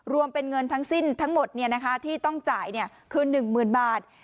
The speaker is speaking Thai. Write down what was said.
รวมเป็นเงินทั้งสิ้นทั้งหมดเนี่ยนะคะที่ต้องจ่ายเนี่ยคือหนึ่งหมื่นบาท